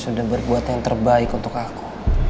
sudah berbuat yang terbaik untuk aku